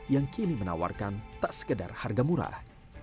yang kini menawarkan tak sekedar harga murah